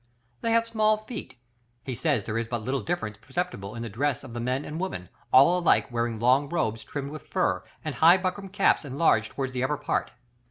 They have small feet. He says there is but little difference perceptible in the dress of the men and women, all alike wearing long robes trimmed with fur, and high buckram caps enlarged towards the upper part.